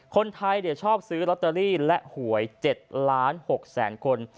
คนไทยชอบซื้อลอตเตอรี่และหวย๗ล้าน๖แสนคน